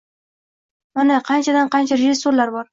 Mana, qanchadan-qancha rejissyorlar bor